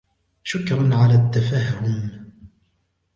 شكراً على التَفَهُّم